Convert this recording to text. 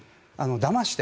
だまして。